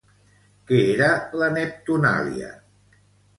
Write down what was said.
Què era la Neptunàlia?